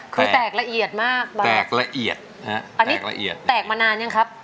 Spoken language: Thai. คือแตกละเอียดมากแตกละเอียดอันนี้แตกมานานยังครับ